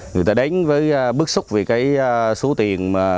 người ta đánh với bức xúc về số tiền